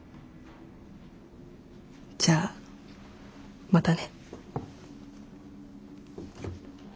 じゃあまたね。